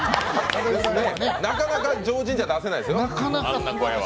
なかなか常人じゃ出せないですよね、あんな声は。